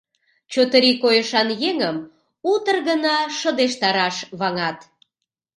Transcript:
Чотырий койышан еҥым утыр гына шыдештараш ваҥат.